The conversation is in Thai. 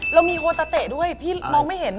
เรามีโฮตาเตะด้วยพี่มองไม่เห็น